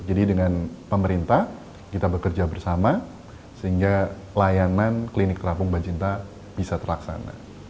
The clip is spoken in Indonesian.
jadi dengan pemerintah kita bekerja bersama sehingga layanan klinik terapung bajenta bisa terlaksana